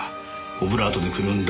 オブラートでくるんだ